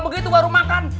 begitu baru makan